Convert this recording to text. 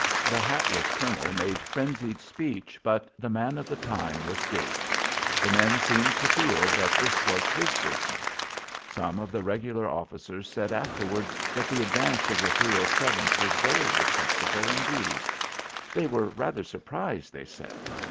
The hatless colonel made frenzied speech, but the man of the time was Gates. The men seemed to feel that this was his business. Some of the regular officers said afterward that the advance of the 307th was very respectable indeed. They were rather surprised, they said.